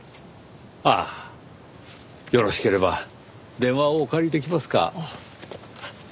ああよろしければ電話をお借りできますか？